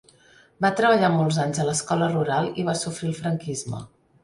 Va treballar molts anys a l'escola rural i va sofrir el franquisme.